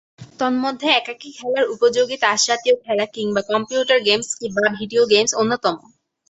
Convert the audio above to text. তন্মধ্যে একাকী খেলার উপযোগী তাসজাতীয় খেলা কিংবা কম্পিউটার গেমস বা ভিডিও গেমস অন্যতম।